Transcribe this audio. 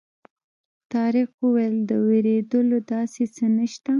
طارق وویل د وېرېدلو داسې څه نه شته.